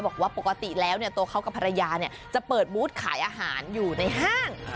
บอกว่าปกติแล้วตัวเขากับภรรยาจะเปิดบูธขายอาหารอยู่ในห้าง